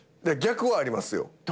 逆はありますよ。